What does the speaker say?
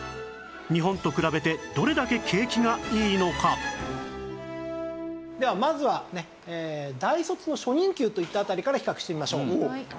日本と比べてどれだけ景気がいいのか？ではまずは大卒の初任給といった辺りから比較してみましょう。